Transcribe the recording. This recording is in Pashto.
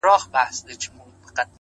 خو پر زړه مي سپين دسمال د چا د ياد،